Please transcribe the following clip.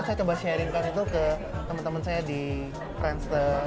saya coba sharingkan itu ke teman teman saya di friendster